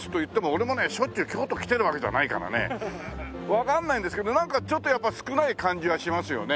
わかんないんですけどなんかちょっとやっぱり少ない感じはしますよね。